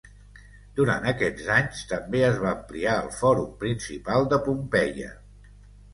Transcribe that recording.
Durant aquests anys també es va ampliar el fòrum principal de Pompeia.